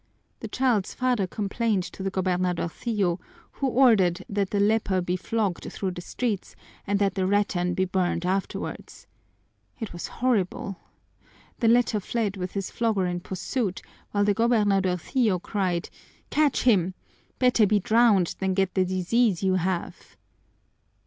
The child's father complained to the gobernadorcillo, who ordered that the leper be flogged through the streets and that the rattan be burned afterwards. It was horrible! The leper fled with his flogger in pursuit, while the gobernadorcillo cried, 'Catch him! Better be drowned than get the disease you have!'"